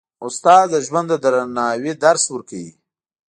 استاد د ژوند د درناوي درس ورکوي.